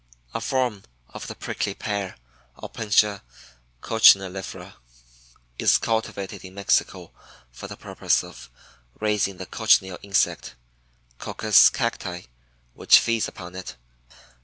A form of the Prickly Pear (Opuntia coccinellifera) is cultivated in Mexico for the purpose of raising the Cochineal insect (Coccus cacti) which feeds upon it.